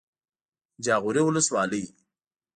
جاغوري ولسوالۍ